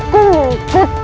sangat beruntung mahesha